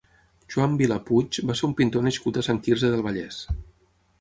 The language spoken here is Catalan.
Joan Vila Puig va ser un pintor nascut a Sant Quirze del Vallès.